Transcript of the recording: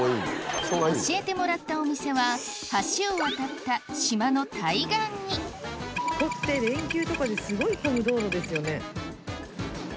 教えてもらったお店は橋を渡った島の対岸にここって連休とかですごい混む道路ですよね。